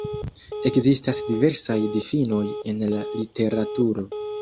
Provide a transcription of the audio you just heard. Ekzistas diversaj difinoj en la literaturo.